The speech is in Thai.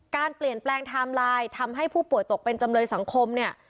การเปลี่ยนแปลงไทม์ไลน์ทำให้ผู้ป่วยตกเป็นจำเลยสังคมเนี่ย